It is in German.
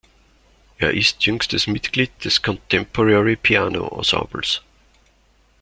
Er ist jüngstes Mitglied des Contemporary Piano Ensembles.